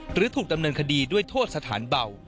หรือถูกดำเนินคดีด้วยโทษสถานเบา